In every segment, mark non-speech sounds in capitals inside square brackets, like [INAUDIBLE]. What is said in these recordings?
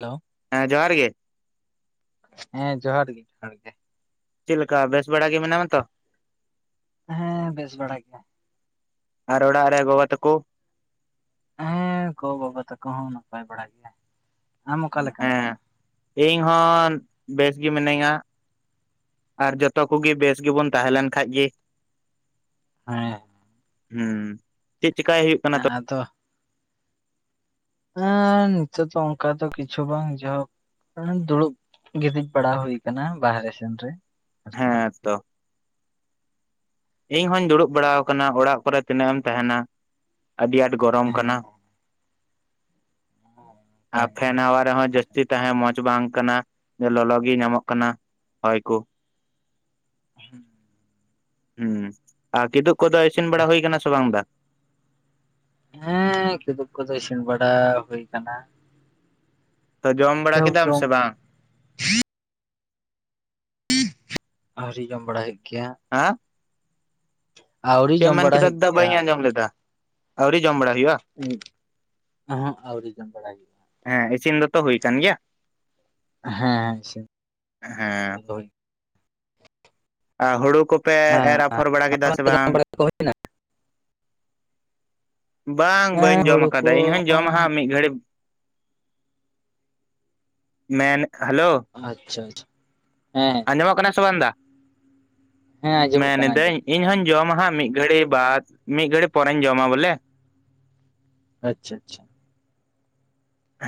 Hello ᱦᱮᱸ ᱡᱚᱦᱟᱨ ᱜᱮ ᱾ ᱦᱮᱸ ᱡᱚᱦᱟᱨ ᱜᱮ ᱡᱚᱦᱟᱨ ᱜᱮ᱾ ᱪᱮᱫ ᱞᱮᱠᱟ ᱵᱮᱥ ᱵᱟᱲᱟ ᱜᱮ ᱢᱮᱱᱟᱢᱟ ᱛᱚ? ᱦᱮᱸ ᱵᱮᱥ ᱵᱟᱲᱟ ᱜᱮ ᱟᱨ ᱚᱲᱟᱜ ᱨᱮ ᱜᱚᱵᱟ ᱛᱮᱠᱚ? ᱦᱮᱸ ᱜᱚ ᱵᱟᱵᱟ ᱛᱮᱠᱚ ᱦᱚᱸ ᱱᱟᱯᱟᱭ ᱵᱟᱲᱟ ᱜᱮᱭᱟ ᱟᱢ ᱚᱠᱟ ᱞᱮᱠᱟᱢ ᱦᱮᱸ ᱤᱧ ᱦᱚᱸ ᱵᱮᱥ ᱜᱮ ᱢᱤᱱᱟᱹᱧᱟᱹ ᱾ ᱟᱨ ᱡᱚᱛᱚ ᱠᱚᱜᱮ ᱵᱮᱥ ᱜᱮᱵᱚᱱ ᱛᱟᱦᱮᱸ ᱞᱮᱱ ᱠᱷᱟᱱ ᱜᱮ ᱾ ᱦᱮᱸ ᱦᱩᱸ ᱪᱮᱫ ᱪᱮᱠᱟᱭ ᱦᱩᱭᱩᱜ? ᱠᱟᱱᱟ ᱦᱮᱸ ᱛᱚ ᱟᱫᱚ ᱦᱮᱸ ᱱᱤᱛᱚᱜ ᱫᱚ ᱚᱱᱠᱟ ᱫᱚ ᱠᱤᱪᱷᱩ ᱵᱟᱝ ᱡᱟ ᱦᱚᱜ ᱫᱩᱲᱩᱵ ᱜᱤᱛᱤᱡ ᱵᱟᱲᱟ ᱦᱩᱭ ᱟᱠᱟᱱᱟ ᱵᱟᱦᱨᱮ ᱥᱮᱱ ᱨᱮ ᱟᱨᱠᱤ ᱾ ᱦᱮᱸ ᱤᱧ ᱦᱚᱩᱧ ᱫᱩᱲᱩᱵ ᱵᱟᱲᱟ ᱟᱠᱟᱱᱟ ᱚᱲᱟᱜ ᱠᱚᱨᱮ ᱾ ᱛᱤᱱᱟᱹᱜ ᱮᱢ ᱛᱟᱦᱮᱱᱟ? ᱟᱹᱰᱤ ᱟᱸᱴ ᱜᱚᱨᱚᱢ ᱦᱮᱸ ᱠᱟᱱᱟ ᱾ ᱚᱱᱠᱟ ᱟᱨ ᱯᱷᱮᱱ ᱦᱟᱣᱟ ᱨᱮ ᱦᱚᱸ ᱡᱟᱼ ᱿ ᱡᱟᱹᱥᱛᱤ ᱜᱮ ᱛᱟᱦᱮᱸ ᱢᱚᱸᱡᱽ ᱵᱟᱝ ᱠᱟᱱᱟ ᱞᱚᱞᱚᱜ ᱜᱮ ᱧᱟᱢᱚᱜ ᱠᱟᱱᱟ ᱦᱚᱭ ᱠᱚ ᱾ ᱦ [UNINTELLIGIBLE] ᱦᱩᱸ ᱟᱨ ᱠᱤᱫᱩᱵ ᱠᱚᱫᱚ ᱤᱥᱤᱱ ᱵᱟᱲᱟ ᱦᱩᱭ ᱟᱠᱟᱱᱟ ᱥᱮ ᱵᱟᱝ ᱫᱟ ᱾ ᱦᱮᱸ ᱠᱤᱫᱩᱵ ᱠᱚᱫᱚ ᱤᱥᱤᱱ ᱵᱟᱲᱟ ᱦᱩᱭ ᱟᱠᱟᱱᱟ ᱾ ᱛᱚ ᱡᱚᱢ ᱵᱟᱲᱟ ᱠᱮ ᱫᱟᱢ ᱡᱚᱢ ᱥᱮ ᱵᱟᱝ ᱾ ᱟᱹᱣᱨᱤ ᱡᱚᱢ ᱵᱟᱲᱟ ᱭᱮᱫ ᱜᱮᱭᱟ᱾ ᱦᱮᱸ ᱟᱹᱣᱨᱤ ᱪᱮᱫ ᱮᱢ ᱡᱚᱢ ᱢᱮᱱ ᱵᱟᱲᱟ ᱠᱮᱫᱟ ᱦᱩᱭᱩᱜ ᱫᱟ ᱜᱮᱭᱟ ᱵᱟᱹᱧ ᱟᱸᱡᱚᱢ ᱞᱮᱫᱟ ᱟᱹᱣᱨᱤ ᱡᱚᱢ ᱵᱟᱲᱟ ᱦᱩᱭᱩᱜᱼᱟ ᱚᱦᱚᱸᱜ ᱟᱹᱣᱨᱤ ᱡᱚᱢ ᱵᱟᱲᱟᱭ ᱾ ᱦᱮᱸ ᱤᱥᱤᱱ ᱫᱚᱛᱚ ᱦ ᱠᱟᱱ ᱜᱮᱭᱟ ᱦᱮᱸ ᱤᱥᱤᱱᱧ ᱦᱮᱸ ᱫᱚ ᱾ [UNINTELLIGIBLE] ᱦᱩᱲᱩ ᱠᱚᱯᱮ ᱮᱨ ᱟᱯᱷᱚᱨ ᱵᱟᱲᱟ ᱠᱮᱫᱟ ᱟᱢᱟᱜ ᱥᱮ ᱵᱟᱝ? [UNINTELLIGIBLE] ᱵᱟᱝ ᱵᱟᱹᱧ ᱦᱮᱸ ᱡᱚᱢ ᱦᱩᱲᱩ ᱠᱟᱫᱟ ᱠᱚ ᱤᱧ ᱦᱚᱧ ᱡᱚᱢᱟᱦᱟᱸᱜ ᱢᱤᱫ ᱜᱷᱟᱹᱲᱤᱡ ᱾ ᱢᱮᱱ ᱦᱮᱞᱳ ᱾ ᱟᱪᱪᱷᱟ ᱟᱪᱪᱷᱟ ᱦᱮᱸ ᱾ ᱚᱡᱚᱢᱚᱜ ᱠᱟᱱᱟ ᱥᱮ ᱵᱟᱝ ᱫᱟ ᱦᱮᱸ ᱟᱸᱡᱚᱢᱚᱜ ᱠᱟᱱᱟ ᱟᱸᱡᱚᱢᱚᱜ ᱢᱮᱱᱤᱫᱟᱹᱧ ᱾ ᱠᱟᱱᱟ᱾ ᱤᱧ ᱦᱚᱧ ᱡᱚᱢᱟ ᱦᱟᱸᱜ ᱢᱤᱫ ᱜᱷᱟᱹᱲᱤ ᱵᱟᱫ ᱢᱤᱫ ᱜᱷᱟᱹᱲᱤ ᱯᱚᱨᱮᱧ ᱡᱚᱢᱟ ᱵᱚᱞᱮ ᱾ ᱟᱪᱪᱷᱟ ᱟᱪᱪᱷᱟ ᱾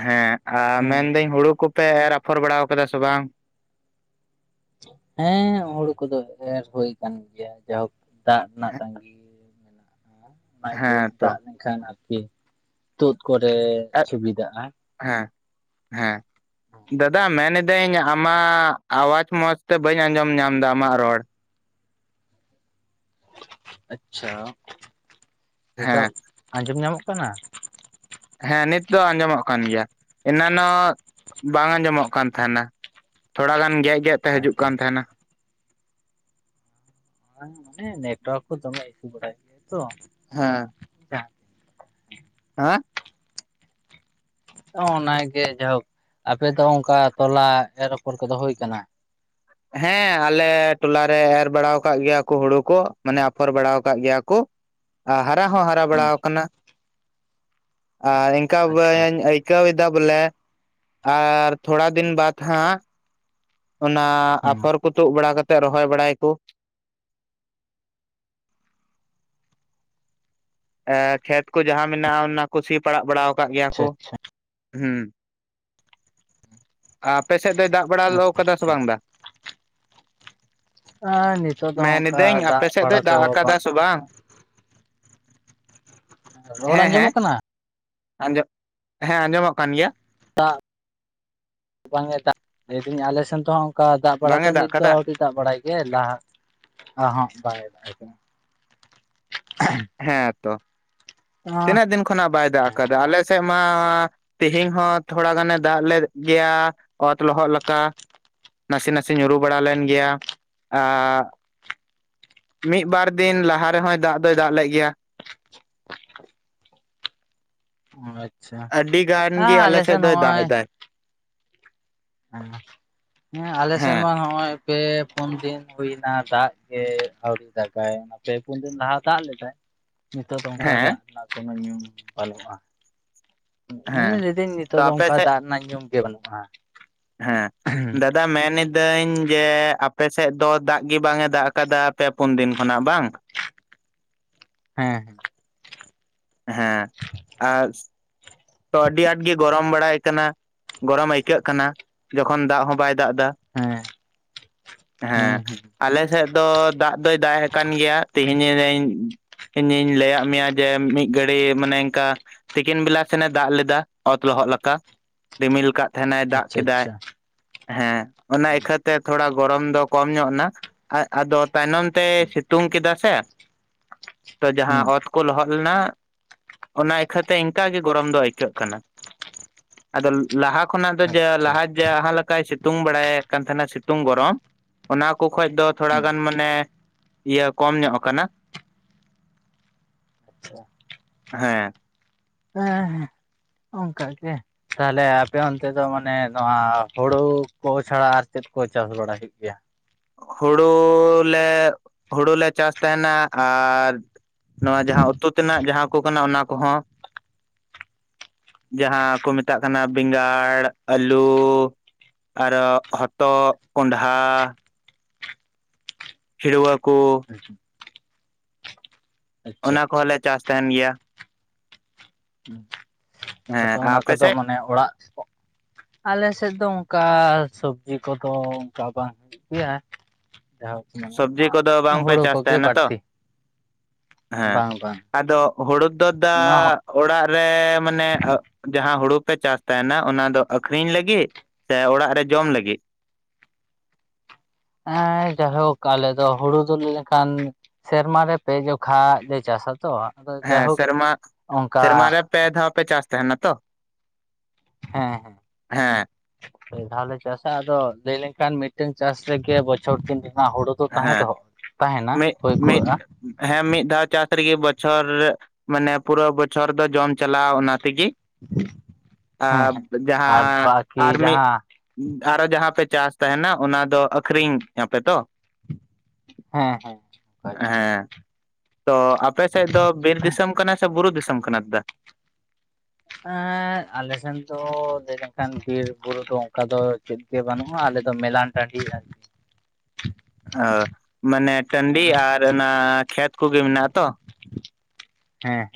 ᱦᱮᱸ ᱟᱨ ᱦᱮᱸ ᱢᱮᱱᱫᱟᱹᱧ ᱦᱩᱲᱩ ᱠᱚᱯᱮ ᱮᱨ ᱨᱟᱯᱷᱚᱨ ᱵᱟᱲᱟ ᱟᱠᱟᱫᱟ ᱥᱮ ᱵᱟᱝ ᱾ ᱦᱮᱸ ᱦᱩᱲᱩ ᱠᱚᱫᱚ ᱮᱨ ᱦᱩᱭ ᱠᱟᱱ ᱜᱮᱭᱟ ᱡᱟᱭᱦᱳᱠ ᱾ ᱫᱟᱜ ᱨᱮᱱᱟᱜ ᱛᱟᱸᱜᱤ ᱢᱮᱱᱟᱜ-ᱟ ᱚᱱᱟ ᱜᱮ ᱦᱮᱸ ᱛᱚ ᱫᱟᱜ ᱞᱮᱱᱠᱷᱟᱱ ᱟᱨᱠᱤᱼᱼ ᱛᱩᱫ ᱠᱚᱨᱮ ᱥᱩᱵᱤᱫᱟᱜ-ᱟ᱾ ᱦᱮᱸ ᱦᱮᱸ᱾ ᱫᱟᱫᱟ ᱢᱮᱱ ᱫᱟᱹᱧ ᱟᱢᱟᱜ ᱟᱣᱟᱡᱽ ᱢᱚᱸᱡᱽ ᱛᱮ ᱵᱟᱹᱧ ᱟᱸᱡᱚᱢ ᱧᱟᱢ ᱫᱟ ᱟᱢᱟᱜ ᱨᱚᱲ? ᱟᱪᱪᱷᱟ ᱦᱮᱸ ᱱᱤᱛᱚᱜ ᱟᱸᱡᱚᱢ ᱧᱟᱢᱚᱜ ᱠᱟᱱᱟ? ᱦᱮᱸ ᱱᱤᱛ ᱫᱚ ᱟᱸᱡᱚᱢᱚᱜ ᱠᱟᱱ ᱜᱮᱭᱟ ᱮᱱᱟᱱᱚᱜ ᱵᱟᱝ ᱟᱸᱡᱚᱢᱚᱜ ᱠᱟᱱ ᱛᱟᱦᱮᱱᱟ᱾ ᱛᱷᱚᱲᱟ ᱜᱟᱱ ᱜᱮᱫ ᱜᱮᱜ ᱛᱮ ᱦᱟᱹᱡᱩᱜ ᱟᱪᱪᱷᱟ ᱠᱟᱱ ᱟᱪᱪᱷᱟ ᱛᱮᱦᱮᱱᱟ᱾ ᱵᱟᱝ ᱢᱚᱱᱮ ᱱᱮᱴᱣᱟᱨᱠ ᱠᱩ ᱫᱚᱢᱮ ᱤᱥᱩ ᱵᱟᱲᱟᱭ ᱜᱮᱭᱟ ᱛᱚ᱾ ᱦᱮᱸ᱾ ᱦᱟᱸᱻ᱾ ᱚᱸᱻ ᱚᱱᱟ ᱜᱮ ᱡᱟᱭᱦᱳᱠ ᱟᱯᱮ ᱫᱚ ᱚᱝᱠᱟ ᱛᱚᱞᱟ ᱮᱨ ᱟᱯᱷᱚᱨ ᱠᱚᱫᱚ ᱦᱩᱭ ᱠᱟᱱᱟ᱾ ᱦᱮᱸ ᱟᱞᱮ ᱴᱚᱞᱟ ᱨᱮ ᱮᱨ ᱵᱟᱲᱟᱣ ᱠᱟᱜ ᱜᱮᱭᱟ ᱠᱚ ᱦᱩᱲᱩ ᱠᱚ ᱢᱟᱱᱮ ᱟᱯᱷᱚᱨ ᱵᱟᱲᱟᱣ ᱠᱟᱜ ᱜᱮᱭᱟ ᱠᱚ᱾ ᱟᱨ ᱦᱟᱨᱟ ᱦᱚᱸ ᱦᱟᱨᱟ ᱵᱟᱲᱟᱣ ᱠᱟᱱᱟ ᱟᱨ ᱤᱱᱠᱟ ᱟᱪᱪᱷᱟ ᱵᱟᱹᱻᱧ ᱟᱹᱭᱼᱼ ᱟᱹᱭᱠᱟᱹᱣ ᱣᱮᱫᱟ ᱵᱚᱞᱮ ᱟᱨ ᱛᱷᱚᱲᱟ ᱫᱤᱱ ᱵᱟᱛᱷ ᱦᱟᱸᱜᱼᱼ ᱚᱱᱟ ᱦᱮᱸ ᱟᱯᱷᱚᱨ ᱠᱚ ᱛᱩᱜ ᱵᱟᱲᱟ ᱠᱟᱛᱮᱜ ᱨᱚᱦᱚᱭ ᱵᱟᱲᱟᱭ ᱠᱩ᱾ ᱮ ᱠᱷᱮᱛ ᱠᱩ ᱡᱟᱦᱟᱸ ᱢᱮᱱᱟᱜ-ᱟ ᱚᱱᱟ ᱠᱩ ᱥᱤ ᱯᱟᱲᱟᱜ ᱵᱟᱲᱟᱣ ᱠᱟᱜ ᱜᱮᱭᱟ ᱟᱪᱪᱷᱟ ᱠᱚ ᱟᱪᱪᱷᱟ ᱦᱩᱸ᱾ ᱟᱯᱮ ᱥᱮᱜ ᱫᱚᱭ ᱫᱟᱜ ᱵᱟᱲᱟ ᱞᱚ ᱟᱪᱪᱷᱟ ᱠᱟᱫᱟ ᱥᱮ ᱟᱪᱪᱷᱟ ᱵᱟᱝ ᱫᱟ? ᱟᱻᱱᱤᱛᱚᱜ ᱫᱚ ᱚᱱᱠᱟ ᱢᱮᱱᱤᱫᱟᱹᱧ ᱫᱟᱜ ᱟᱯᱮ ᱥᱮᱫ ᱵᱟᱲᱟ ᱫᱚᱭ ᱫᱚ ᱫᱟᱜ ᱟᱠᱟᱫᱟ ᱵᱟᱝ᱾ ᱥᱮ ᱨᱚᱲ ᱦᱮᱸ ᱦᱮᱸ ᱟᱸᱡᱚᱢᱚᱜ ᱠᱟᱱᱟ ᱟᱸᱡᱚᱢ ᱦᱮᱸ ᱟᱸᱡᱚᱢᱚᱜ ᱠᱟᱱ ᱜᱮᱭᱟ᱾ ᱫᱟᱜ ᱵᱟᱝᱮ ᱫᱟᱜ ᱞᱟᱹᱭ ᱫᱟᱹᱧ ᱟᱞᱮ ᱥᱮᱱ ᱛᱚ ᱦᱟᱸᱜ ᱚᱱᱠᱟ ᱫᱟᱜ ᱵᱟᱲᱟ ᱵᱟᱝ ᱫᱚ ᱮ ᱫᱟᱜ ᱱᱤᱛ ᱫᱚ ᱠᱟᱫᱟ ᱟᱹᱣᱨᱤᱼᱼ ᱫᱟᱜ ᱵᱟᱲᱟᱭ ᱜᱮᱭᱟᱭ ᱞᱟᱦᱟ ᱟᱨᱦᱚᱸ ᱵᱟᱭ ᱫᱟᱜᱟ᱾ ᱦᱮᱸ ᱛᱚ ᱛᱤᱱᱟᱹᱜ ᱫᱤᱱ ᱠᱷᱚᱱᱟᱜ ᱵᱟᱭ ᱫᱟᱜ ᱦᱮᱸ ᱟᱠᱟᱫᱟ ᱟᱞᱮ ᱥᱮᱜ ᱢᱟᱼᱼ ᱛᱤᱦᱤᱧ ᱦᱚᱸ ᱛᱷᱚᱲᱟ ᱜᱟᱱᱮ ᱫᱟᱜ ᱞᱮᱫ ᱜᱮᱭᱟ ᱚᱛ ᱞᱚᱦᱚᱜ ᱞᱟᱠᱟ᱾ ᱱᱟᱥᱤ ᱱᱟᱥᱤ ᱧᱩᱨᱩ ᱵᱟᱲᱟ ᱞᱮᱱ ᱜᱮᱭᱟ ᱟᱜᱻᱼᱼ ᱢᱤᱫ ᱵᱟᱨ ᱫᱤᱱ ᱞᱟᱦᱟ ᱨᱮᱦᱚᱸᱭ ᱫᱟᱜ ᱫᱚᱭ ᱫᱟᱜ ᱞᱮᱫ ᱜᱮᱭᱟ᱾ ᱟᱪᱪᱷᱟ ᱦᱮᱸ ᱟᱹᱰᱤ ᱜᱟᱱ ᱜᱤ ᱟᱞᱮ ᱥᱮᱜ ᱫᱚᱭ ᱫᱟᱜ ᱮᱫᱟᱭ᱾ ᱦᱮᱸ, ᱦᱮᱸ ᱟᱞᱮ ᱥᱮᱱ ᱦᱮᱸ ᱢᱟ ᱱᱚᱜ-ᱚᱸᱭᱼᱼ ᱯᱮ ᱯᱩᱱ ᱫᱤᱱ ᱦᱩᱭᱱᱟ ᱫᱟᱜ ᱜᱮ ᱟᱣᱨᱤ ᱫᱟᱜᱟᱭ ᱦᱟᱸᱜ᱾ ᱯᱮ ᱯᱩᱱ ᱫᱤᱱ ᱞᱟᱦᱟ ᱫᱟᱜ ᱞᱮᱫᱟᱭ ᱱᱤᱛᱚᱜ ᱫᱚ ᱚᱱᱠᱟ ᱦᱮᱸ ᱫᱟᱜ ᱨᱮᱱᱟᱜ ᱠᱚᱱᱚ ᱧᱩᱢ ᱵᱟᱹᱱᱩᱜ-ᱟ᱾ ᱦᱮᱸ ᱢᱟᱱᱮ ᱞᱟᱹᱭ ᱫᱟᱹᱧ ᱛᱚ ᱱᱤᱛᱚᱜ ᱫᱚ ᱟᱯᱮ ᱚᱱᱠᱟ ᱥᱮᱫ ᱫᱟᱜ ᱨᱮᱱᱟᱜ ᱧᱩᱢ ᱜᱮ ᱵᱟᱹᱱᱩᱜ-ᱟ᱾ ᱦᱮᱸ ᱫᱟᱼᱼ ᱫᱟ ᱢᱮᱱ ᱱᱤᱫᱟᱹᱧ ᱡᱮ ᱟᱯᱮ ᱥᱮᱜ ᱫᱚ ᱫᱟᱜ ᱜᱤ ᱵᱟᱝᱮ ᱫᱟᱜ ᱟᱠᱟᱫᱟ ᱯᱮ ᱯᱩᱱ ᱫᱤᱱ ᱠᱷᱚᱱᱟᱜ ᱵᱟᱝ? ᱦᱮᱸ ᱦᱮᱸ᱾ ᱦᱮᱸ ᱟᱨᱼᱼ ᱛᱚ ᱟᱹᱰᱤ ᱟᱸᱴ ᱜᱮ ᱜᱚᱨᱚᱢ ᱵᱟᱲᱟᱭ ᱠᱟᱱᱟ ᱜᱚᱨᱚᱢ ᱟᱹᱭᱠᱟᱹᱜ ᱠᱟᱱᱟ ᱡᱚᱠᱷᱚᱱ ᱫᱟᱜ ᱦᱚᱸ ᱵᱟᱭᱼᱼ ᱫᱟᱜ ᱫᱟ, ᱦᱮᱸ ᱦᱮᱸ ᱟᱞᱮ ᱥᱮᱜᱼᱼ ᱫᱚ ᱫᱟᱜ ᱫᱚᱭ ᱫᱟᱜ ᱮᱜ ᱠᱟᱱ ᱜᱮᱭᱟ ᱛᱤᱦᱤᱧ ᱟᱱᱤᱧᱼᱼ ᱤᱧᱤᱧ ᱞᱟᱹᱭᱟᱜ ᱢᱮᱭᱟ ᱡᱮ ᱢᱤᱫ ᱜᱷᱟᱹᱲᱤ ᱢᱟᱱᱮ ᱮᱱᱠᱟ ᱛᱤᱠᱤᱱ ᱵᱮᱞᱟᱼᱼ ᱥᱮᱱᱮ ᱫᱟᱜ ᱞᱮᱫᱟ ᱚᱛ ᱞᱚᱦᱚᱜ ᱞᱟᱠᱟ᱾ ᱨᱤᱢᱤᱞ ᱠᱟᱜ ᱛᱟᱦᱮᱸ ᱱᱟᱭ ᱫᱟᱜ ᱟᱪᱪᱷᱟ ᱠᱮᱫᱟᱭ ᱟᱪᱪᱷᱟ ᱦᱮᱸ ᱚᱱᱟ ᱤᱭᱠᱷᱟᱹᱛᱼᱼ ᱛᱮ ᱛᱷᱚᱲᱟ ᱜᱚᱨᱚᱢ ᱫᱚ ᱠᱚᱢ ᱧᱚᱜ ᱱᱟ ᱟ, ᱟᱫᱚ ᱛᱟᱭᱱᱚᱢ ᱛᱮᱭ ᱥᱤᱛᱩᱝ ᱠᱮᱫᱟ ᱥᱮᱼᱼ [INAUDIBLE] ᱫᱚ ᱡᱟᱦᱟᱸ ᱚᱛ ᱠᱚ ᱞᱚᱦᱚᱜ ᱞᱮᱱᱟ ᱚᱱᱟ ᱤᱭᱠᱷᱟᱹ ᱛᱮ ᱮᱱᱠᱟ ᱜᱤᱼᱼ ᱜᱚᱨᱚᱢ ᱫᱚ ᱟᱹᱭᱠᱟᱹᱜ ᱠᱟᱱᱟ, ᱟᱫᱚ ᱞᱟᱦᱟ ᱠᱷᱚᱱᱟᱜ ᱫᱚ ᱡᱮ ᱟᱪᱪᱷᱟ ᱞᱟᱦᱟᱼᱼ ᱡᱮ ᱞᱟᱦᱟ ᱞᱮᱠᱟᱭ ᱥᱤᱛᱩᱝ ᱵᱟᱲᱟᱭᱮᱜ ᱠᱟᱱ ᱛᱮᱦᱮᱱᱟ ᱥᱤᱛᱩᱝ ᱜᱚᱨᱚᱢᱼᱼ ᱚᱱᱟ ᱠᱚ ᱠᱷᱚᱡ ᱫᱚ ᱛᱷᱚᱲᱟ ᱦᱩᱸ ᱜᱟᱱ ᱢᱟᱱᱮ ᱤᱭᱟᱹ ᱠᱚᱢ ᱧᱚᱜ ᱟᱠᱟᱱᱟ᱾ [INAUDIBLE] ᱦᱮᱸ᱾ ᱦᱮᱸ ᱦᱮᱸ᱾ ᱠᱟ ᱜᱮ᱾ ᱛᱟᱦᱚᱞᱮ ᱟᱯᱮ ᱚᱱᱛᱮ ᱫᱚ ᱢᱟᱱᱮ ᱱᱚᱣᱟ ᱦᱩᱲᱩ ᱠᱚ ᱪᱷᱟᱲᱟ ᱟᱨ ᱪᱮᱫ ᱠᱚ ᱪᱟᱥ ᱵᱟᱲᱟᱭ ᱴᱷᱤᱠ ᱜᱮᱭᱟ ᱦᱩᱲᱳ ᱞᱮ ᱦᱩᱲᱩ ᱞᱮ ᱪᱟᱥ ᱛᱟᱦᱮᱱᱟ ᱟᱨ ᱱᱚᱣᱟ ᱡᱟᱦᱟᱸ ᱩᱛᱩ ᱛᱮᱱᱟᱜ ᱡᱟᱦᱟᱸ ᱠᱚ ᱠᱟᱱᱟ ᱚᱱᱟ ᱠᱚᱦᱚᱸ, ᱡᱟᱦᱟᱸ ᱠᱚ ᱢᱮᱛᱟᱜ ᱠᱟᱱᱟ ᱵᱮᱸᱜᱟᱲ, ᱟᱹᱞᱩ ᱟᱨᱦᱚ ᱦᱚᱛᱚᱫ, ᱠᱚᱸᱰᱷᱟ ᱠᱷᱤᱲᱣᱟ ᱠᱚ, ᱟᱪᱪᱷᱟ ᱚᱱᱟ ᱟᱪᱪᱷᱟ ᱠᱚᱦᱚᱸᱞᱮ ᱪᱟᱥ ᱛᱟᱦᱮᱱ ᱜᱮᱭᱟ᱾ ᱦᱮᱸ ᱟᱫᱚ ᱚᱱᱟ ᱟᱯᱮ ᱠᱚᱫᱚ ᱥᱮᱫ ᱢᱟᱱᱮ ᱚᱲᱟᱜ, ᱟᱞᱮ ᱥᱮᱫ ᱫᱚ ᱚᱱᱠᱟ ᱥᱚᱵᱡᱤ ᱠᱚᱫᱚ ᱚᱱᱠᱟ ᱵᱟᱝ [UNINTELLIGIBLE] ᱡᱟᱦᱟᱸ ᱢᱟᱱᱮ ᱥᱚᱵᱽᱡᱤ ᱠᱚᱫᱚ ᱵᱟᱝᱯᱮ ᱦᱩᱲᱩ ᱪᱟᱥ ᱠᱚᱜᱮ ᱛᱟᱦᱮᱱᱟ ᱛᱚ ᱵᱟᱟᱹᱲᱛᱤ᱾ ᱦᱮᱸ ᱟᱫᱚ ᱦᱩᱲᱩ ᱫᱚ ᱫᱟ ᱚᱱᱟ ᱚᱲᱟᱜ ᱨᱮ ᱢᱟᱱᱮ ᱡᱟᱦᱟᱸ ᱦᱩᱲᱩ ᱯᱮ ᱪᱟᱥ ᱛᱟᱦᱮᱱᱟ ᱚᱱᱟ ᱫᱚ ᱟᱠᱷᱨᱤᱧ ᱞᱟᱹᱜᱤᱫ? ᱥᱮ ᱚᱲᱟᱜ ᱨᱮ ᱡᱚᱢ ᱞᱟᱹᱜᱤᱫ? ᱦᱮᱸ ᱡᱟᱭᱦᱳᱠ ᱟᱞᱮ ᱫᱚ ᱦᱩᱲᱩ ᱫᱚ ᱞᱟᱹᱭ ᱞᱮᱠᱷᱟᱱ ᱥᱮᱨᱢᱟ ᱨᱮ ᱯᱮ ᱡᱚᱠᱷᱟ ᱞᱮ ᱪᱟᱥᱟ ᱛᱚ ᱟᱫᱚ ᱦᱮᱸ ᱡᱟᱭᱦᱳᱠ ᱥᱮᱨᱢᱟ ᱚᱱᱠᱟ ᱥᱮᱨᱢᱟ ᱨᱮ ᱯᱮ ᱫᱷᱟᱣ ᱯᱮ ᱪᱟᱥ ᱛᱟᱦᱮᱱᱟ ᱛᱚ? ᱦᱮᱸ ᱦᱮᱸ᱾ ᱦᱮᱸ ᱯᱮ ᱫᱷᱟᱣᱞᱮ ᱪᱟᱥᱟ ᱟᱫᱚ ᱞᱟᱹᱭ ᱞᱮᱱᱠᱷᱟᱱ ᱢᱤᱫᱴᱟᱝ ᱪᱟᱥ ᱨᱮᱜᱮ ᱵᱚᱪᱷᱚᱨ ᱫᱤᱱ ᱨᱮᱱᱟᱜ ᱦᱩᱲᱩ ᱛᱟᱦᱮᱸ ᱦᱮᱸ ᱫᱚᱦᱚ ᱛᱟᱦᱮᱱᱟ ᱢᱤᱫ ᱦᱚᱭ ᱢᱤᱫ ᱠᱩᱲᱟᱹᱜᱼᱟ ᱾ ᱦᱮᱸ ᱢᱤᱫ ᱫᱷᱟᱣ ᱪᱟᱥ ᱨᱮᱜᱤ ᱵᱚᱪᱷᱚᱨ, ᱢᱟᱱᱮ ᱯᱩᱨᱟᱹ ᱵᱚᱪᱷᱚᱨ ᱫᱚ ᱡᱚᱢ ᱪᱟᱞᱟᱜᱼᱟ ᱚᱱᱟ ᱛᱮᱜᱮ, ᱦᱮᱸ ᱟᱨ ᱦᱮᱸ ᱟᱨ ᱡᱟᱦᱟᱸ ᱵᱟᱠᱤ ᱟᱨ ᱢᱤᱫ ᱡᱟᱦᱟᱸ ᱟᱨᱦᱚᱸ ᱡᱟᱦᱟᱸ ᱯᱮ ᱪᱟᱥ ᱛᱟᱦᱮᱱᱟ ᱚᱱᱟ ᱫᱚ ᱟᱠᱷᱨᱤᱧ ᱟᱯᱮ ᱛᱚ, ᱦᱮᱸ ᱦᱮᱸ ᱚᱱᱠᱟᱜᱮ ᱦᱮᱸ ᱛᱚ ᱟᱯᱮ ᱥᱮᱫ ᱫᱚ ᱵᱤᱨ ᱫᱤᱥᱚᱢ ᱠᱟᱱᱟ ᱥᱮ ᱵᱩᱨᱩ ᱫᱤᱥᱚᱢ ᱠᱟᱱᱟ ᱫᱟ ᱮᱸ ᱟᱞᱮ ᱥᱮᱱ ᱫᱚ ᱞᱟᱹᱭ ᱞᱮᱱᱠᱷᱟᱱ ᱵᱤᱨ ᱵᱩᱨᱩ ᱫᱚ, ᱚᱱᱠᱟ ᱫᱚ ᱪᱮᱫ ᱜᱮ ᱵᱟᱹᱱᱩᱜᱼᱟ ᱟᱞᱮ ᱫᱚ ᱢᱮᱞᱟᱱ ᱴᱟᱺᱰᱤ ᱟᱨᱠᱤ, ᱚ ᱢᱟᱱᱮ ᱴᱟᱺᱰᱤ ᱟᱨ ᱚᱱᱟ ᱠᱷᱮᱛ ᱠᱚᱜᱮ ᱢᱮᱱᱟᱜᱼᱟ ᱛᱚ ᱦᱮᱸ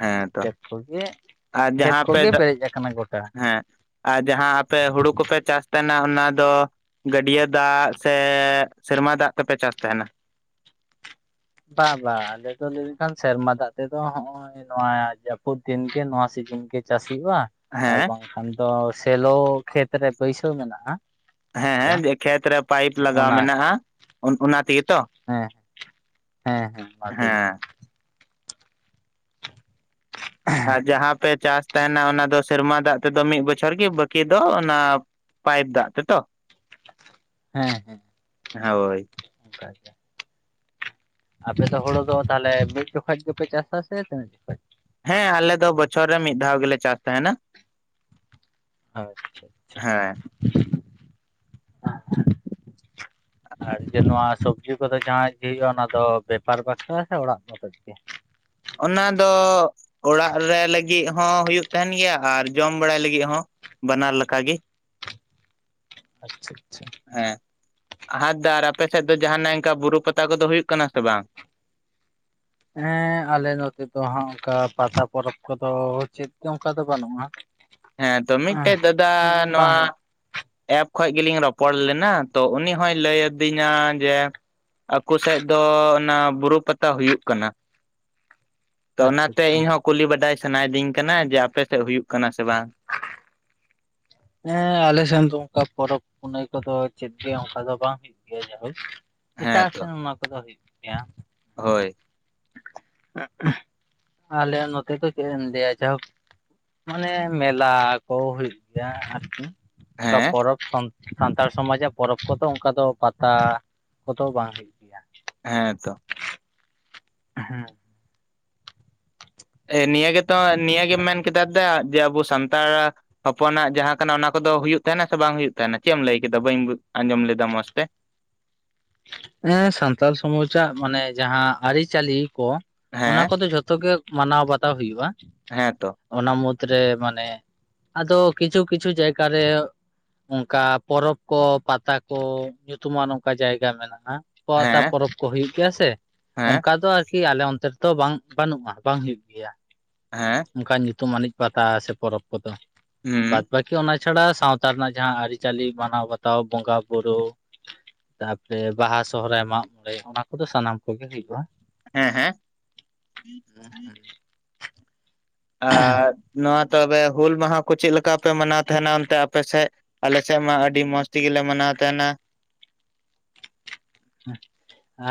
ᱦᱮᱸ ᱛᱚ ᱠᱷᱮᱛ ᱠᱚᱜᱮ ᱟᱨ ᱠᱷᱮᱛ ᱡᱟᱦᱟᱸ ᱯᱮ ᱠᱚᱜᱮ ᱫᱟᱜ ᱯᱮᱨᱮᱡ ᱟᱠᱟᱱᱟ ᱜᱚᱴᱟ ᱾ ᱦᱮᱸ ᱟᱨ ᱡᱟᱦᱟᱸ ᱟᱯᱮ ᱦᱩᱲᱩ ᱠᱚᱯᱮ ᱪᱟᱥ ᱛᱟᱦᱮᱱᱟ ᱚᱱᱟ ᱫᱚ ᱜᱟᱹᱰᱭᱟᱹ ᱫᱟᱜ ᱥᱮ ᱥᱮᱨᱢᱟ ᱫᱟᱜ ᱛᱮᱯᱮ ᱪᱟᱥ ᱛᱟᱦᱮᱱᱟ? ᱵᱟ ᱵᱟᱝ ᱟᱞᱮ ᱫᱚ ᱞᱟᱹᱭ ᱞᱮᱠᱷᱟᱱ ᱥᱮᱨᱢᱟ ᱫᱟᱜ ᱛᱮᱫᱚ ᱦᱚᱜᱼᱚᱭ ᱱᱚᱣᱟ ᱡᱟᱹᱯᱩᱫ ᱫᱤᱱ ᱜᱮ ᱱᱚᱣᱟ ᱥᱤᱡᱤᱱ ᱜᱮ ᱪᱟᱥ ᱦᱩᱭᱩᱜᱼᱟ ᱾ ᱟᱨ ᱦᱮᱸ ᱵᱟᱝᱠᱷᱟᱱ ᱫᱚ ᱥᱮᱞᱚ ᱠᱷᱮᱛᱨᱮ ᱵᱟᱹᱭᱥᱟᱹᱣ ᱢᱮᱱᱟᱜᱼᱟ ᱾ ᱦᱮᱸ ᱦᱮᱸ ᱡᱮ ᱠᱷᱮᱛ ᱨᱮ ᱯᱟᱭᱤᱯ ᱞᱟᱜᱟᱣ ᱢᱮᱱᱟᱜᱼᱟ ᱚᱱᱟ ᱛᱮᱜᱮ ᱛᱚ, ᱦᱮᱸ ᱦᱮᱸ ᱦᱮᱸ ᱢᱟᱴ ᱨᱮ ᱾ ᱦᱮᱸ ᱟᱨ ᱡᱟᱦᱟᱸ ᱯᱮ ᱪᱟᱥ ᱛᱟᱦᱮᱱᱟ ᱚᱱᱟ ᱫᱚ ᱥᱮᱨᱢᱟ ᱫᱟᱜ ᱛᱮᱫᱚ ᱢᱤᱫ ᱵᱚᱪᱷᱚᱨ ᱜᱮ ᱵᱟᱹᱠᱤ ᱫᱚ ᱚᱱᱟ ᱯᱟᱭᱤᱯ ᱫᱟᱜ ᱛᱮ ᱛᱚ ᱾ ᱦᱮᱸ ᱦᱮᱸ ᱦᱳᱭ ᱚᱱᱠᱟᱜᱮ ᱟᱯᱮ ᱫᱚ ᱦᱩᱲᱩ ᱫᱚ ᱛᱟᱦᱚᱞᱮ ᱢᱤᱫ ᱡᱚᱠᱚᱡ ᱜᱮᱯᱮ ᱪᱟᱥᱼᱟ ᱥᱮ ᱛᱤᱱᱟᱹᱜ ᱡᱚᱠᱚᱡ? ᱦᱮᱸ ᱟᱞᱮ ᱫᱚ ᱵᱚᱪᱷᱚᱨ ᱨᱮ ᱢᱤᱫ ᱫᱷᱟᱣ ᱜᱮᱞᱮ ᱪᱟᱥ ᱛᱟᱦᱮᱱᱟ ᱾ ᱟᱪᱪᱷᱟ ᱦᱮᱸ ᱟᱨ ᱡᱮ ᱱᱚᱣᱟ ᱥᱚᱵᱡᱤ ᱠᱚᱫᱚ ᱡᱟᱦᱟᱸ ᱜᱮ ᱦᱩᱭᱩᱜᱼᱟ ᱚᱱᱟ ᱫᱚ ᱵᱮᱯᱟᱨ ᱵᱟᱠᱷᱨᱟ ᱥᱮ ᱚᱲᱟᱜ ᱢᱚᱛᱚᱡ ᱜᱮ ᱚᱱᱟ ᱫᱚ ᱚᱲᱟᱜ ᱨᱮ ᱞᱟᱹᱜᱤᱫ ᱦᱚᱸ ᱦᱩᱭᱩᱜ ᱛᱟᱦᱮᱱ ᱜᱮᱭᱟ ᱟᱨ ᱡᱚᱢ ᱵᱟᱲᱟᱭ ᱞᱟᱹᱜᱤᱫ ᱦᱚᱸ ᱾ ᱵᱟᱱᱟᱨ ᱞᱮᱠᱟ ᱜᱮ, ᱟᱪᱪᱷᱟ ᱟᱪᱪᱷᱟ ᱦᱮᱸ ᱟᱨᱫᱟᱨ ᱟᱨ ᱟᱯᱮ ᱥᱮᱫ ᱫᱚ ᱡᱟᱦᱟᱜ ᱤᱱᱠᱟᱹ ᱵᱩᱨᱩ ᱯᱟᱛᱟ ᱠᱚᱫᱚ ᱦᱩᱭᱩᱜ ᱠᱟᱱᱟ ᱥᱮ ᱵᱟᱝ? ᱦᱮᱸ ᱟᱞᱮ ᱱᱚᱛᱮ ᱫᱚ ᱦᱟᱸᱜ ᱚᱱᱠᱟ ᱯᱟᱛᱟ ᱯᱚᱨᱚᱵᱽ ᱠᱚᱫᱚ ᱪᱮᱫ ᱜᱮ ᱚᱱᱠᱟ ᱫᱚ ᱵᱟᱹᱱᱩᱜᱼᱟ ᱾ ᱦᱮᱸ ᱫᱚ ᱫᱚᱢᱮᱡ ᱛᱮ ᱫᱟᱫᱟ ᱱᱚᱣᱟ ᱮᱯ ᱠᱷᱚᱡ ᱜᱮᱞᱤᱧ ᱨᱚᱯᱚᱲ ᱞᱮᱱᱟ ᱛᱚ ᱩᱱᱤ ᱦᱚᱭ ᱞᱟᱹᱭ ᱟᱹᱫᱤᱧᱟ ᱡᱮ, ᱟᱠᱚ ᱥᱮᱡ ᱫᱚ ᱚᱱᱟ ᱵᱩᱨᱩ ᱯᱟᱛᱟ ᱦᱩᱭᱩᱜ ᱠᱟᱱᱟ ᱾ ᱛᱚ ᱟᱪᱪᱷᱟ ᱚᱱᱟᱛᱮ ᱟᱪᱪᱷᱟ ᱤᱧᱦᱚᱸ ᱠᱩᱞᱤ ᱵᱟᱰᱟᱭ ᱥᱟᱱᱟᱭᱤᱫᱤᱧ ᱠᱟᱱᱟ ᱡᱮ ᱟᱯᱮ ᱥᱮᱫ ᱦᱩᱭᱩᱜ ᱠᱟᱱᱟ ᱥᱮ ᱵᱟᱝ? ᱦᱮᱸ ᱟᱞᱮ ᱥᱮᱱ ᱫᱚ ᱚᱱᱠᱟ ᱯᱚᱨᱚᱵᱽ ᱯᱩᱱᱟᱹᱭ ᱠᱚᱫᱚ ᱪᱮᱫ ᱜᱮ ᱚᱱᱠᱟ ᱫᱚ ᱵᱟᱝ ᱦᱩᱭᱩᱜ ᱜᱮᱭᱟ ᱡᱟᱦᱳᱠ ᱦᱮᱸ ᱮᱴᱟᱜ ᱛᱚ ᱥᱮᱱ ᱚᱱᱟ ᱠᱚᱫᱚ ᱦᱩᱭᱩᱜ ᱜᱮᱭᱟ ᱾ ᱦᱳᱭ ᱟᱞᱮᱭᱟᱜ ᱱᱚᱛᱮ ᱫᱚ ᱪᱮᱫᱮᱢ ᱫᱮᱭᱟ ᱡᱟᱦᱳᱠ ᱢᱟᱱᱮ ᱢᱮᱞᱟ ᱠᱚ ᱦᱩᱭᱩᱜ ᱜᱮᱭᱟ ᱟᱨᱠᱤ ᱚᱱᱠᱟ ᱦᱮᱸ ᱯᱚᱨᱚᱵᱽ ᱥᱟᱱᱛᱟᱲ ᱥᱚᱢᱟᱡᱟᱜ ᱯᱚᱨᱚᱵᱽ ᱠᱚᱫᱚ ᱚᱱᱠᱟ ᱫᱚ ᱯᱟᱛᱟ ᱠᱚᱫᱚ ᱵᱟᱝ ᱦᱩᱭᱩᱜᱼᱟ ᱾ ᱦᱮᱸᱻ ᱛᱚ ᱦᱮᱸ ᱮ ᱱᱤᱭᱟᱹ ᱜᱮᱛᱚ ᱱᱤᱭᱟᱹ ᱜᱮᱢ ᱢᱮᱱ ᱠᱮᱫᱟ ᱫᱟ ᱡᱮ ᱟᱵᱚ ᱥᱟᱱᱛᱟᱲᱟ ᱦᱚᱯᱚᱱᱟᱜ ᱡᱟᱦᱟᱸ ᱠᱟᱱᱟ ᱚᱱᱟ ᱠᱚᱫᱚ ᱦᱩᱭᱩᱜ ᱛᱟᱦᱮᱱᱟ ᱥᱮ ᱵᱟᱝ ᱦᱩᱭᱩᱜ ᱛᱟᱦᱮᱱᱟ ᱪᱮᱫ ᱮᱢ ᱞᱟᱹᱭ ᱠᱮᱫᱟ ᱵᱟᱹᱧ ᱟᱸᱡᱚᱢ ᱞᱮᱫᱟ ᱢᱚᱡᱽ ᱛᱮ ᱦᱮᱸ ᱥᱟᱱᱛᱟᱞ ᱥᱚᱢᱟᱡᱟᱜ ᱢᱟᱱᱮ ᱡᱟᱦᱟᱸ ᱟᱹᱨᱤᱪᱟᱹᱞᱤ ᱠᱚ, ᱚᱱᱟ ᱦᱮᱸ ᱠᱚᱫᱚ ᱡᱷᱚᱛᱚ ᱜᱮ ᱢᱟᱱᱟᱣ ᱵᱟᱛᱟᱣ ᱦᱩᱭᱩᱜᱼᱟ ᱾ ᱦᱮᱸ ᱛᱚ ᱚᱱᱟ ᱢᱩᱫᱽ ᱨᱮ ᱢᱟᱱᱮ ᱟᱫᱚ ᱠᱤᱪᱷᱩ ᱠᱤᱪᱷᱩ ᱡᱟᱭᱜᱟ ᱨᱮ ᱚᱱᱠᱟ ᱯᱚᱨᱚᱵᱽ ᱠᱚ ᱯᱟᱛᱟ ᱠᱚ ᱧᱩᱛᱩᱢᱟᱱ ᱚᱝᱠᱟ ᱡᱟᱭᱜᱟ ᱢᱮᱱᱟᱜᱼᱟ, ᱯᱟᱛᱟ ᱦᱮᱸ ᱯᱚᱨᱚᱵᱽ ᱠᱚ ᱦᱩᱭᱩᱜ ᱜᱮᱭᱟ ᱥᱮ ᱦᱮᱸ ᱚᱱᱠᱟ ᱫᱚ ᱟᱨᱠᱤ ᱟᱞᱮ ᱚᱱᱛᱮ ᱛᱚ ᱵᱟᱝ ᱵᱟᱹᱱᱩᱜᱼᱟ ᱵᱟᱝ ᱦᱩᱭᱩᱜ ᱜᱮᱭᱟ ᱾ ᱦᱮᱸ ᱾ ᱚᱱᱠᱟᱱ ᱧᱩᱛᱩᱢ ᱟᱱᱤᱡ ᱯᱟᱛᱟ ᱥᱮ ᱯᱚᱨᱚᱵᱽ ᱠᱚᱫᱚ ᱵᱟᱫ ᱦᱩᱸ ᱵᱟᱠᱤ ᱠᱤ ᱚᱱᱟ ᱪᱷᱟᱲᱟ ᱥᱟᱶᱛᱟ ᱨᱮᱱᱟᱜ ᱡᱟᱦᱟᱸ ᱟᱹᱨᱤᱪᱟᱹᱞᱤ ᱢᱟᱱᱟᱣ ᱵᱟᱛᱟᱣ ᱵᱚᱸᱜᱟ ᱵᱩᱨᱩ ᱛᱟᱯᱚᱨᱮ ᱵᱟᱦᱟ ᱥᱚᱦᱚᱨᱟᱭ ᱢᱟᱜ ᱢᱚᱬᱮ ᱚᱱᱟ ᱠᱚᱫᱚ ᱥᱟᱱᱟᱢ ᱠᱚᱜᱮ ᱦᱩᱭᱩᱜᱼᱟ ᱾ ᱦᱮᱸ ᱦᱮᱸ ᱦᱩᱸ [INAUDIBLE] ᱦᱮᱸ ᱟᱨ ᱱᱚᱣᱟ ᱛᱚᱵᱮ ᱦᱩᱞ ᱢᱟᱦᱟ ᱠᱚ ᱪᱮᱫ ᱞᱮᱠᱟ ᱯᱮ ᱢᱟᱱᱟᱣ ᱛᱟᱦᱮᱱᱟ ᱚᱱᱛᱮ ᱟᱯᱮ ᱥᱮᱜ? ᱟᱞ ᱥᱮᱫ ᱢᱟ ᱟᱹᱰᱤ ᱢᱚᱸᱡᱽ ᱛᱮᱜᱮᱞᱮ ᱢᱟᱱᱟᱣ ᱛᱟᱦᱮᱱᱟ ᱾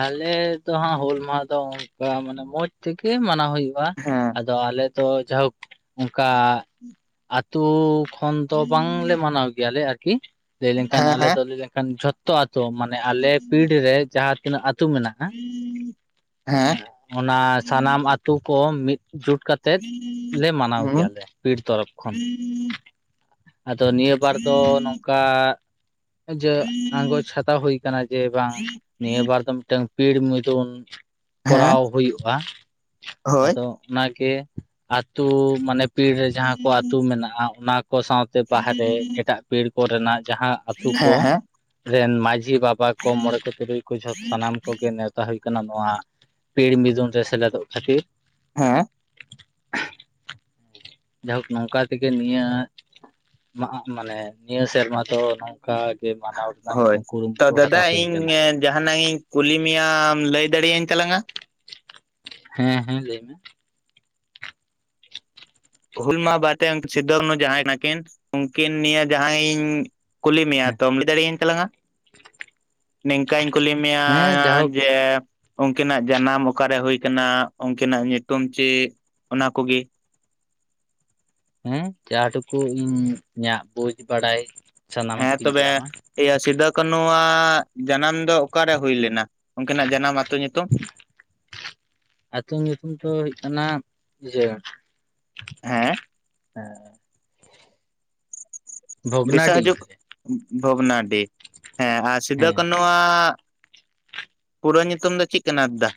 ᱟᱞᱮ ᱫᱚ ᱦᱟᱸᱜ ᱦᱩᱞ ᱢᱟᱦᱟ ᱫᱚ ᱚᱱᱠᱟ ᱢᱟᱱᱮ ᱢᱚᱸᱡᱽ ᱛᱮᱜᱮ ᱢᱟᱱᱟᱣ ᱦᱩᱭᱩᱜ ᱟ, ᱦᱮᱸ ᱟᱫᱚ ᱟᱞᱮ ᱫᱚ ᱡᱟᱦᱩᱠ ᱚᱱᱠᱟ ᱟᱛᱩ ᱠᱷᱚᱱ ᱫᱚ ᱵᱟᱝᱞᱮ ᱢᱟᱱᱟᱣ ᱜᱮᱭᱟᱞᱮ, ᱟᱨᱠᱤ ᱞᱟᱹᱭ ᱞᱮᱱᱠᱷᱟᱱ ᱟᱞᱮ ᱦᱮᱸ ᱫᱚ ᱞᱟᱹᱭ ᱞᱮᱠᱷᱟᱱ ᱡᱷᱚ ᱛᱚ ᱟᱛᱳ ᱢᱟᱱᱮ ᱟᱞᱮ ᱯᱤᱲ ᱨᱮ ᱡᱟᱦᱟᱸ ᱛᱤᱱᱟᱹᱜ ᱟᱹᱛᱩ ᱢᱮᱱᱟᱜᱼᱟ ᱦᱮᱸ ᱾ ᱚᱱᱟ ᱥᱟᱱᱟᱢ ᱟᱹᱛᱩ ᱠᱚ ᱢᱤᱫ ᱡᱷᱩᱴ ᱠᱟ ᱛᱮᱫ ᱞᱮ ᱦᱮᱸ ᱢᱟᱱᱟᱣ ᱦᱩᱸ ᱜᱮᱭᱟᱞᱮ ᱯᱤᱲ ᱛᱚᱨᱚᱯᱷ ᱠᱷᱚᱱ ᱾ ᱟᱫᱚ ᱱᱤᱭᱟᱹ ᱵᱟᱨ ᱫᱚ ᱱᱚᱝᱠᱟ ᱡᱮ ᱟᱸᱜᱚᱪ ᱦᱮᱸ ᱦᱟᱷᱟᱛᱟᱣ ᱦᱩᱭ ᱠᱟᱱᱟ ᱡᱮ ᱵᱟᱝ ᱱᱤᱭᱟᱹᱵᱟᱨ ᱟᱫᱚ ᱢᱤᱫᱴᱟᱹᱝ ᱯᱤᱲ ᱢᱩᱭᱫᱩᱱ ᱠᱚᱨᱟᱣ ᱦᱩᱭᱩᱜᱼᱟ ᱦᱳᱭ ᱟᱫᱚ ᱚᱱᱟᱜᱮ, ᱟᱛᱩ ᱢᱟᱱᱮ ᱯᱤᱲ ᱨᱮ ᱡᱟᱦᱟᱸ ᱠᱚ ᱟᱹᱛᱩ ᱢᱮᱱᱟᱜᱼᱟ ᱚᱱᱟ ᱠᱚ ᱥᱟᱶ ᱛᱮ ᱵᱟᱦᱨᱮ ᱦᱮᱸ ᱮᱴᱟᱜ ᱯᱤᱲ ᱠᱚᱨᱮᱱᱟᱜ ᱡᱟᱦᱟᱸ ᱟᱹᱛᱩ ᱠᱚ ᱦᱮᱸ ᱨᱮᱱ ᱢᱟᱺᱡᱷᱤ ᱵᱟᱵᱟ ᱠᱚ ᱢᱚᱬᱮ ᱠᱚ ᱛᱩᱨᱩᱭ ᱠᱚ ᱡᱷᱚᱛᱚ ᱥᱟᱱᱟᱢ ᱠᱚᱜᱮ ᱱᱮ ᱛᱟ ᱦᱩᱭ ᱠᱟᱱᱟ ᱱᱚᱣᱟ ᱯᱤᱲ ᱢᱤᱫᱩᱱ ᱨᱮ ᱥᱮᱞᱮᱫᱚᱜ ᱠᱷᱟᱹᱛᱤᱨ ᱾ ᱦᱮᱸ ᱾ ᱡᱟᱦᱩᱠ ᱱᱚᱝᱠᱟ ᱛᱮᱜᱮ ᱱᱤᱭᱟᱹ ᱢᱟᱦᱚᱜ ᱢᱟᱱᱮ ᱱᱤᱭᱟᱹ ᱥᱮᱨᱢᱟ ᱫᱚ ᱚᱱᱠᱟ ᱜᱮ ᱢᱟᱱᱟᱣ ᱨᱮᱱᱟᱜ ᱦᱳᱭ ᱢᱤᱫᱴᱟᱹᱝ ᱛᱚ ᱠᱩᱨᱩᱢᱩᱴᱩ ᱦᱟᱛᱟᱣ ᱫᱟᱫᱟ ᱦᱩᱭᱩ ᱠᱟᱱᱟ ᱾ ᱤᱧ ᱡᱟᱦᱟᱱᱟᱜ ᱤᱧ ᱠᱩᱞᱤ ᱢᱮᱭᱟᱢ ᱞᱟᱹᱭ ᱫᱟᱲᱮᱭᱟᱹᱧ ᱛᱟᱞᱟᱝᱼᱟ? ᱦᱮᱸ ᱦᱮᱸ ᱞᱟᱹᱭ ᱢᱮ ᱾ ᱦᱩᱞ ᱢᱟᱦᱟ ᱵᱟᱨᱛᱮ ᱥᱤᱫᱚ ᱠᱟᱱᱩ ᱡᱟᱦᱟᱸᱭ ᱠᱟᱱᱟᱠᱤᱱ ᱩᱱᱠᱤᱱ ᱱᱤᱭᱟᱹ ᱡᱟᱦᱟᱸᱭ ᱤᱧ ᱠᱩᱞᱤ ᱢᱮᱭᱟ ᱦᱮᱸ ᱛᱚᱢ ᱞᱟᱹᱭ ᱫᱟᱲᱮᱭᱟᱹᱧ ᱛᱟᱞᱟᱝᱼᱟ? ᱱᱤᱝᱠᱟᱹᱧ ᱠᱩᱞᱤ ᱢᱮᱭᱟ ᱦᱮᱸ ᱡᱟᱭᱦᱳᱠ ᱡᱮ ᱩᱱᱠᱤᱱᱟᱜ ᱡᱟᱱᱟᱢ ᱚᱠᱟᱨᱮ ᱦᱳᱭ ᱠᱟᱱᱟ ᱩᱱᱠᱤᱱᱟᱜ ᱧᱩᱛᱩᱢ ᱪᱮᱫ ᱚᱱᱟ ᱠᱩᱜᱮ ᱾ ᱦᱮᱸ ᱡᱟᱦᱟᱸ ᱴᱩᱠᱩ ᱤᱧ ᱤᱧᱟᱹᱜ ᱵᱩᱡᱽ ᱵᱟᱲᱟᱭ ᱥᱟᱱᱟᱢᱟᱜ ᱦᱮᱸ ᱜᱤᱧ ᱛᱚᱵᱮ ᱧᱟᱢᱟ ᱤᱭᱟᱹ ᱥᱤᱫᱩ ᱠᱟᱱᱱᱩᱣᱟᱜ ᱡᱟᱱᱟᱢ ᱫᱚ ᱚᱠᱟᱨᱮ ᱦᱩᱭ ᱞᱮᱱᱟ ᱩᱱᱠᱤᱱᱟᱜ ᱡᱟᱱᱟᱢ ᱟ ᱟᱹᱛᱩ ᱧᱩᱛᱩᱢ? ᱟᱛᱩ ᱧᱩᱛᱩᱢ ᱫᱚ ᱦᱩᱭᱩᱜ ᱠᱟᱱᱟ ᱤᱭᱟᱹ ᱦᱮᱸ [UNINTELLIGIBLE] ᱦᱮ ᱫᱤᱥᱟᱹ ᱵᱷᱚᱜᱽᱱᱟᱰᱤ ᱦᱤᱡᱩᱜ, ᱵᱷᱚᱜᱽᱱᱟᱰᱤ ᱦᱮᱸ ᱟᱨ ᱥᱤᱫᱩ ᱦᱮᱸ ᱠᱟᱹᱱᱩ ᱱᱩᱣᱟᱜ ᱯᱩᱨᱟᱹ ᱧᱩᱛᱩᱢ ᱫᱚ ᱪᱮᱫ ᱠᱟᱱᱟ ᱫᱟᱫᱟ?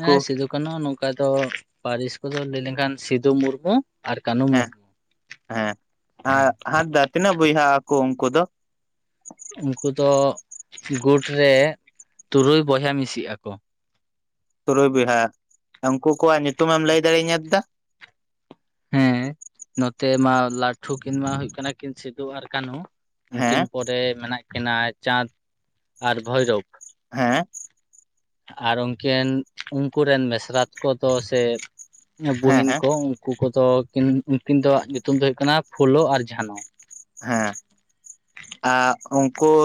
ᱦᱮᱸ ᱥᱤᱫᱩ ᱠᱟᱹᱱᱦᱩ ᱱᱚᱝᱠᱟ ᱫᱚ ᱯᱟᱹᱨᱤᱥ ᱠᱚᱫᱚ ᱞᱟᱹᱭ ᱞᱮᱱᱠᱷᱟᱱ ᱥᱤᱫᱩ ᱢᱩᱨᱢᱩ ᱟᱨ ᱠᱟᱹᱱᱦᱩ ᱦᱮᱸ ᱢᱩᱨᱢᱩ ᱾ ᱦᱮᱸ ᱦᱟᱸᱛ ᱫᱟ ᱛᱤᱱᱟᱹᱜ ᱵᱚᱭᱦᱟᱜ ᱟᱠᱚ ᱩᱱᱠᱩ ᱫᱚ? ᱩᱱᱠᱩ ᱫᱚ ᱜᱩᱴ ᱨᱮ ᱛᱩᱨᱩᱭ ᱵᱚᱭᱦᱟ ᱢᱤᱥᱤᱜ ᱟᱠᱚ ᱾ ᱛᱩᱨᱩᱭ ᱵᱚᱭᱦᱟ ᱩᱱᱠᱩ ᱠᱚᱣᱟᱜ ᱧᱩᱛᱩᱢᱮᱢ ᱞᱟᱹᱭ ᱫᱟᱲᱮᱟᱹᱧᱟᱹ ᱫᱫᱟ? ᱦᱮᱸ ᱱᱚᱛᱮ ᱢᱟ ᱞᱴᱷᱩ ᱠᱤᱱ ᱢᱟ ᱦᱩᱭᱩᱜ ᱠᱟᱱᱟ ᱠᱤᱱ ᱥᱤᱫᱩ ᱟᱨ ᱠᱟᱹᱱᱦᱩ ᱾ ᱩᱱᱠᱤᱱ ᱦᱮᱸ ᱯᱚᱨᱮ ᱢᱮᱱᱟᱜ ᱠᱤᱱᱟᱹ ᱪᱟᱸᱫᱽ ᱟᱨ ᱵᱷᱳᱭᱨᱳᱚᱵ ᱾ ᱦᱮᱸ ᱾ ᱟᱨ ᱩᱱᱠᱤᱱ ᱩᱱᱠᱩᱨᱮᱱ ᱢᱮᱥᱤᱨᱟᱛ ᱠᱚᱫᱚ ᱥᱮ ᱦᱮᱸ ᱵᱩᱦᱤᱱ ᱦᱮᱸ ᱠᱚ ᱩᱱᱠᱩ ᱠᱚᱫᱚ ᱠᱤᱱ ᱩᱱᱠᱤᱱ ᱫᱚ ᱧᱩᱛᱩᱢ ᱫᱚ ᱦᱩᱭᱩᱜ ᱠᱟᱱᱟ ᱯᱷᱩᱞᱳ ᱟᱨ ᱡᱷᱟᱱᱚ ᱾ ᱦᱮᱸ ᱟ ᱩᱱᱠᱩ